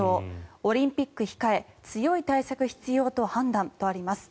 オリンピック控え強い対策必要と判断とあります。